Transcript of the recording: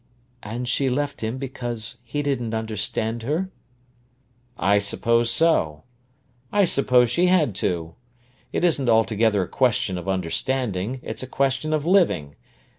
"And she left him because he didn't understand her?" "I suppose so. I suppose she had to. It isn't altogether a question of understanding; it's a question of living.